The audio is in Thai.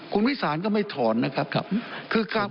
คุณวิสานก็ไม่ถอนนะครับ